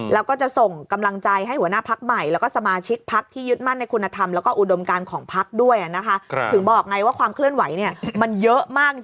แล้วก็จะส่งกำลังใจให้หัวหน้าภาคใหม่